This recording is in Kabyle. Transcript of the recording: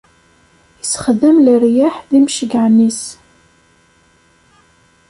Issexdam leryaḥ d imceyyɛen-is.